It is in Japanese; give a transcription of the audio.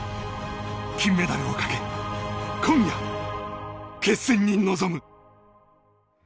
金メダルをかけ今夜、決戦に臨む！